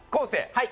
はい。